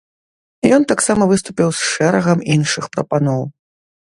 Ён таксама выступіў з шэрагам іншых прапаноў.